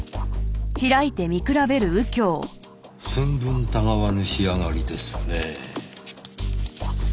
寸分違わぬ仕上がりですねぇ。